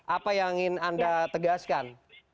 apa yang ingin anda tegaskan